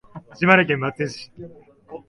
島根県松江市